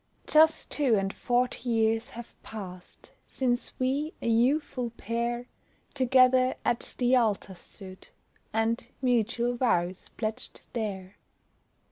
Just two and forty years have passed Since we, a youthful pair, Together at the altar stood, And mutual vows pledged there.